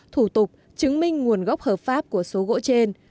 thủ tục chứng minh nguồn gốc hợp pháp của số gỗ trên